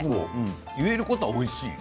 言えることはおいしい。